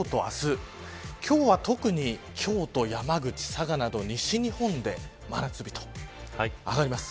今日は特に京都、山口、佐賀など西日本で真夏日になります。